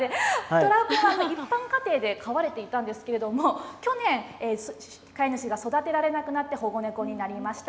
とらお君は一般家庭で飼われていたんですけれども、去年、飼い主が育てられなくなって、保護猫になりました。